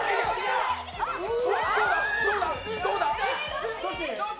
どうだ？